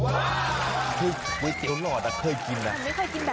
ก๋วยเตี๋ยวหลอดอะเคยกินนะ